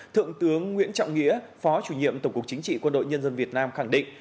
thượng tướng nguyễn trọng nghĩa phó chủ nhiệm tổng cục chính trị quân đội nhân dân việt nam khẳng định